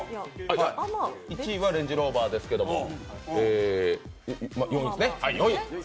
１位はレンジローバーですけども、４位ですね。